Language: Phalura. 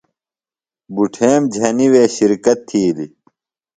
بٹھیم جھنیۡ وے شِرکت تِھیلیۡ۔